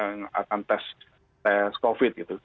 yang akan tes covid gitu